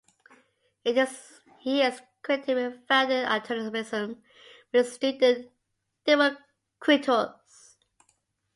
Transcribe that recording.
He is credited with founding atomism, with his student Democritus.